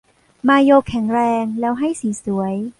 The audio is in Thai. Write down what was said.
มาโยแข็งแรงแล้วให้สีสวย